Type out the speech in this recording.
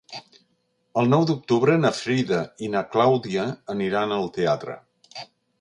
El nou d'octubre na Frida i na Clàudia aniran al teatre.